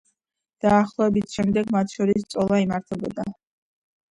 დაახლოების შემდეგ მათ შორის წოლა იმართებოდა.